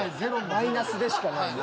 マイナスでしかないな。